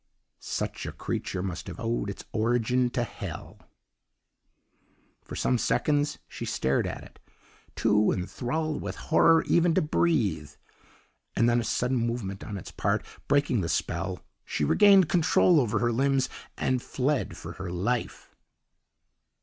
"Such a creature must have owed its origin to Hell. "For some seconds she stared at it, too enthralled with horror even to breathe; and, then a sudden movement on its part breaking the spell, she regained control over her limbs and fled for her life.